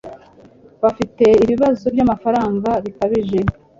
Bafite ibibazo byamafaranga bikabije.